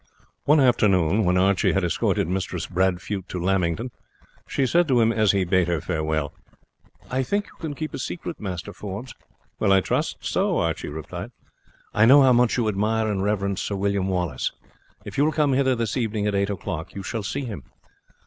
One afternoon, when Archie had escorted Mistress Bradfute to Lamington, she said to him as he bade her farewell: "I think you can keep a secret, Master Forbes." "I trust so," Archie replied. "I know how much you admire and reverence Sir William Wallace. If you will come hither this evening, at eight o'clock, you shall see him."